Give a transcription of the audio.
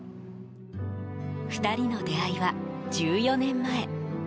２人の出会いは、１４年前。